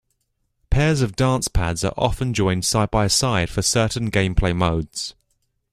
Pairs of dance pads are often joined side-by-side for certain gameplay modes.